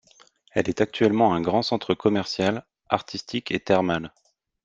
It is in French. Elle est actuellement un grand centre commercial, artistique et thermale.